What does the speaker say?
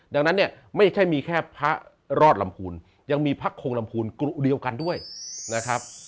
ดังนั้นเนี่ยไม่ใช่มีแค่พระรอดลำพูนยังมีพระโคงลำพูนกรุเดียวกันด้วยนะครับ